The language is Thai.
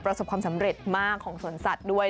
ประสบความสำเร็จมากของสวนสัตว์ด้วย